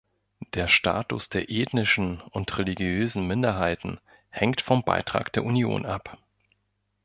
Der Status der ethnischen und religiösen Minderheiten hängt vom Beitrag der Union ab.